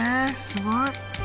すごい！